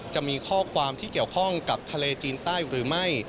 จะมีข้อความที่เกี่ยวข้องกับทะเลจีนใต้หรือไม่